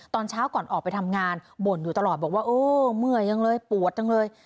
ตอนเช้าก่อนออกไปทำงานบ่นอยู่ตลอดบอกว่าโอ้เมื่อยจังเลยปวดจังเลย